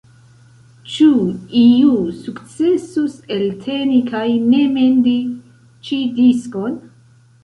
Ĉu iu sukcesus elteni kaj ne mendi ĉi diskon?